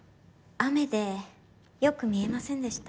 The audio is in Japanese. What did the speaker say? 雨でよく見えませんでした